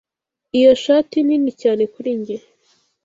Iyo shati nini cyane kuri njye.